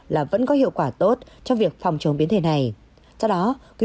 là gần một trăm tám mươi ba bốn triệu liều